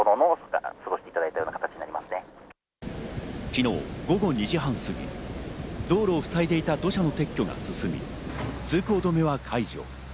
昨日、午後２時半過ぎ、道路をふさいでいた土砂の撤去が進み、通行止めは解除。